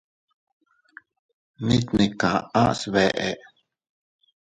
Mit ne kaʼa sbeʼe.